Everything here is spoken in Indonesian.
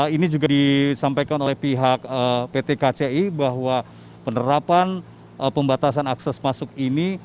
ini juga disampaikan oleh pihak pt kci bahwa penerapan pembatasan akses masuk ini